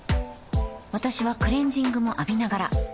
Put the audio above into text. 私はクレジングも浴びながら